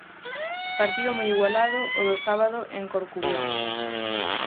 Partido moi igualado o do sábado en Corcubión.